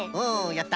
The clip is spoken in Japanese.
やった。